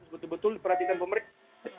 betul betul diperhatikan pemerintah